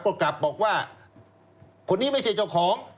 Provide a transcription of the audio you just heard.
ก็กลับบอกว่าคนนี้ไม่ใช่เจ้าของ